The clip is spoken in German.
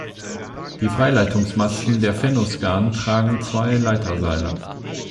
Die Freileitungsmasten der Fenno-Skan tragen zwei Leiterseile.